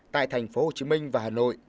tại thành phố hồ chí minh và hà nội